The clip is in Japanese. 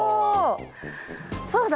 そうだ。